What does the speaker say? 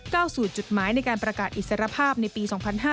สู่จุดหมายในการประกาศอิสรภาพในปี๒๕๕๙